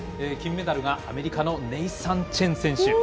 金メダルがアメリカのネイサン・チェン選手。